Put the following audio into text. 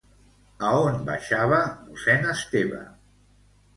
A on baixava mossèn Esteve?